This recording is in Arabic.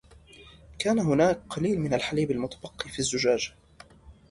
كان هناك قليل من الحليب المتبقي في الزجاجة.